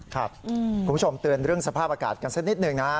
คุณผู้ชมเตือนเรื่องสภาพอากาศกันสักนิดหนึ่งนะ